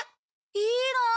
いいなあ。